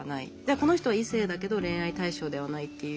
この人は異性だけど恋愛対象ではないっていう